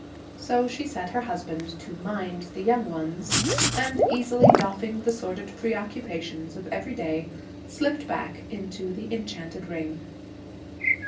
So she set her husband to 'mind' the young ones, and, easily doffing the sordid preoccupations of every day, slipped back into the enchanted ring.